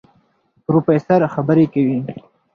پروفېسر خبرې کوي.